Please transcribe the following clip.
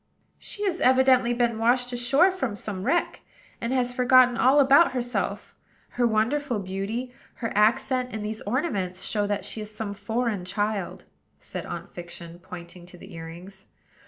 "She has evidently been washed ashore from some wreck, and has forgotten all about herself. Her wonderful beauty, her accent, and these ornaments show that she is some foreign child," said Aunt Fiction, pointing to the earrings.